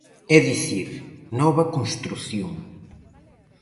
É dicir, nova construción.